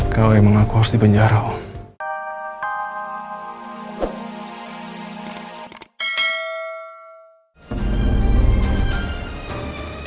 kau emang aku harus di penjara om